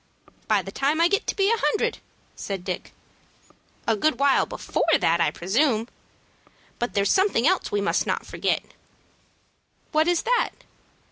"By the time I get to be a hundred," said Dick. "A good while before that, I presume. But there's something else we must not forget." "What is that?"